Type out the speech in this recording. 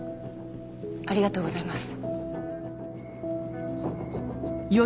ありがとうございます。